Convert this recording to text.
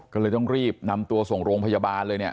ก็เลยต้องรีบนำตัวส่งโรงพยาบาลเลยเนี่ย